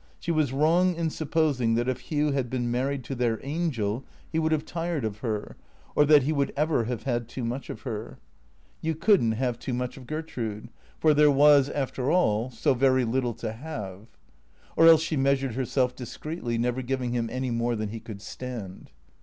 She was wrong in supposing that if Hugh had been married to their angel he would have tired of her, or that he would ever have had too much of her. You could n't have too mucli of 408 THE CEEA TORS Gertrude, for there was, after all, so very little to have. Or else she measured herself discreetly, never giving him any more than he could stand.